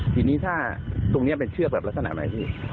ทีนี้ถ้าตรงนี้เป็นเชือกแบบลักษณะไหนพี่